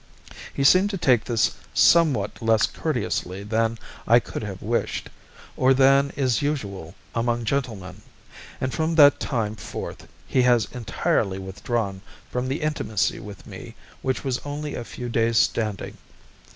He seemed to take this somewhat less courteously than I could have wished, or than is usual among gentlemen; and from that time forth he has entirely withdrawn from the intimacy with me which was only of a few days standing.